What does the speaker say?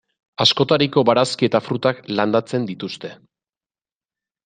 Askotariko barazki eta frutak landatzen dituzte.